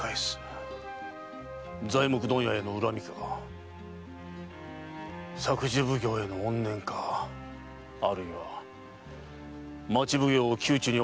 材木問屋への恨みか作事奉行への怨念かあるいは町奉行を窮地に追い込むのが望みか。